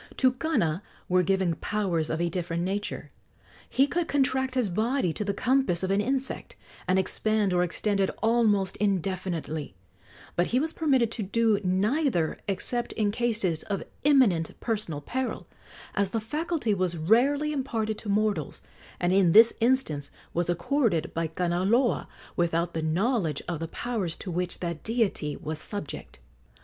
To Kana were given powers of a different nature. He could contract his body to the compass of an insect, and expand or extend it almost indefinitely; but he was permitted to do neither except in cases of imminent personal peril, as the faculty was rarely imparted to mortals, and in this instance was accorded by Kanaloa without the knowledge of the powers to which that deity was subject.